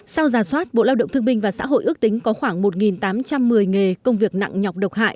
sau giả soát bộ lao động thương minh và xã hội ước tính có khoảng một tám trăm một mươi nghề công việc nặng nhọc độc hại